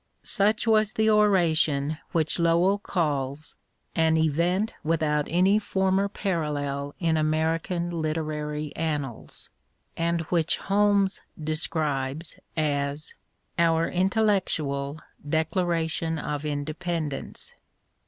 Such was the oration which Lowell calls " an event without any former parallel in American literary annals," and which Holmes describes as " our intellectual Declaration of Independence."